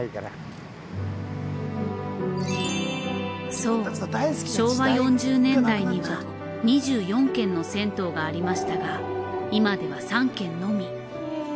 そう昭和４０年代には２４軒の銭湯がありましたが今では３軒のみ。